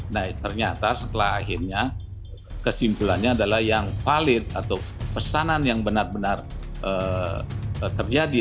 nah ternyata setelah akhirnya kesimpulannya adalah yang valid atau pesanan yang benar benar terjadi